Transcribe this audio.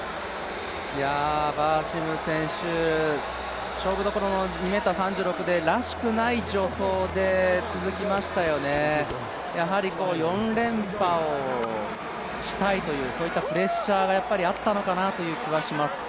バーシム選手、勝負どころの２ｍ３６でらしくない助走が続きましたよね、やはり４連覇をしたいというプレッシャーがやっぱりあったのかなという気はします。